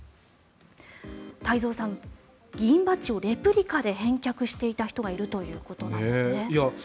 太蔵さん、議員バッジをレプリカで返却していた人がいるということなんですね。